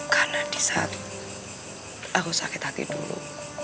karena di saat aku sakit hati dulu